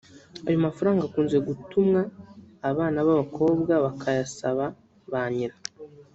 ayo mafaranga akunze gutumwa abana b’abakobwa bakayasaba ba nyina